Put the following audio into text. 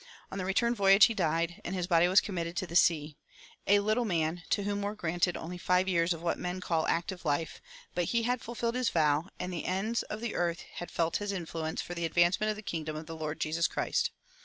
On the return voyage he died, and his body was committed to the sea: a "little man," to whom were granted only five years of what men call "active life"; but he had fulfilled his vow, and the ends of the earth had felt his influence for the advancement of the kingdom of the Lord Jesus Christ.